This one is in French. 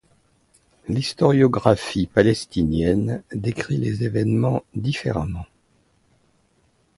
L’historiographie palestinienne décrit les événements différemment.